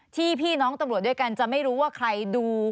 ที่พี่น้องตำรวจด้วยกันจะไม่รู้ว่าใครดู